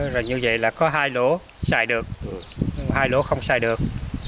rồi như vậy là có hai lỗ xài được hai lỗ không sai được